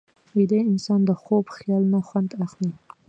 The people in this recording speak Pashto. ویده انسان د خوب خیال نه خوند اخلي